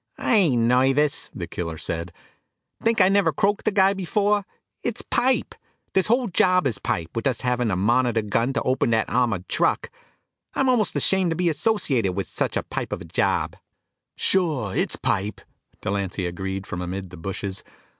"I ain't noivous!" the killer said. "T'ink I never croaked a guy before. It's a pipe. Dis whole job is a pipe, wit' us havin' a Monitor gun to open dat armored truck. I'm almost ashamed to be associated wit' such a pipe of a job." "Sure it's a pipe," Delancy agreed from amid the bushes.